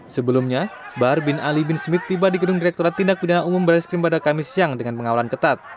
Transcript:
sebelumnya bahar bin ali bin smith tiba di gedung direkturat tindak pidana umum baris krim pada kamis siang dengan pengawalan ketat